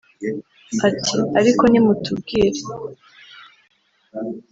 Ati “Ariko nimutubwire